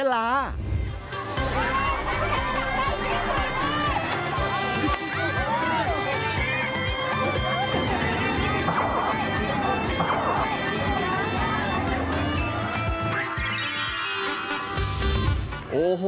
อุ้ยยังมีปลอดภัยช่วงนี้ด้วยมีปลอดภัย